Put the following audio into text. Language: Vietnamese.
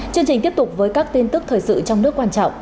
chương trình tiếp tục với các tin tức thời sự trong nước quan trọng